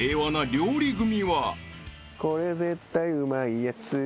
「これ絶対うまいやつ」